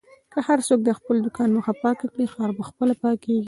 که هر څوک د خپل دوکان مخه پاکه کړي، ښار په خپله پاکېږي.